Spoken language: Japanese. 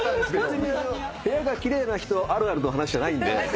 別に部屋が奇麗な人あるあるの話じゃないんで。